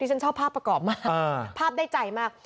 ฉันชอบภาพประกอบมากภาพได้ใจมาก